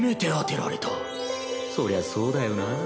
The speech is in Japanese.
そりゃそうだよな。